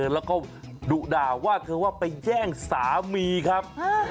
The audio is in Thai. แล้วก็ดุด่าว่าเธอว่าไปแย่งสามีครับ